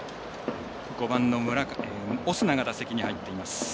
５番のオスナが打席に入っています。